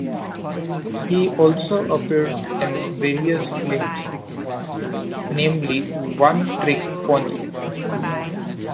He also appeared in various films, namely "One Trick Pony".